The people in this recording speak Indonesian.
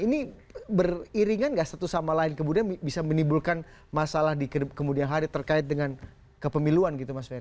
ini beriringan nggak satu sama lain kemudian bisa menimbulkan masalah di kemudian hari terkait dengan kepemiluan gitu mas ferr